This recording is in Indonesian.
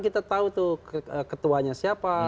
kita tahu tuh ketuanya siapa